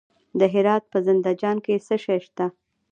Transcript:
د هرات په زنده جان کې څه شی شته؟